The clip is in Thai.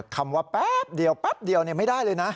คำว่าแป๊บเดียวแป๊บเดียวไม่ได้เลยนะ